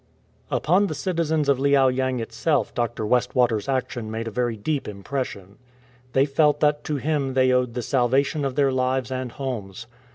"" Upon the citizens of Liao yang itself Dr. West water's action made a very deep impression. They felt that to him they owed the salvation of their lives and homes.